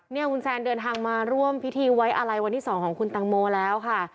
เนี่ยคุณแซนเดินทางมาร่วมพิธีไว้อะไรวันที่๒ของคุณตังโมแล้วค่ะ